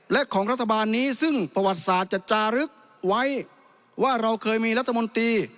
และของรัฐบาลนี้ซึ่งประวัติศาสตร์จะจารึกไว้ว่าเราเคยมีรัฐมนตรี